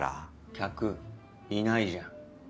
客いないじゃん。